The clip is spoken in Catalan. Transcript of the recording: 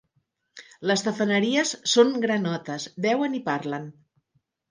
Les tafaneries són granotes, beuen i parlen.